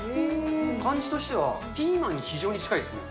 感じとしては、ピーマンに非常に近いですね。